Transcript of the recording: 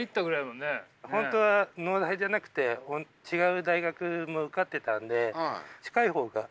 本当は農大じゃなくて違う大学も受かってたんで近い方が。